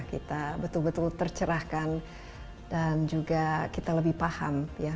kita betul betul tercerahkan dan juga kita lebih paham